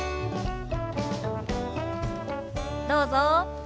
どうぞ。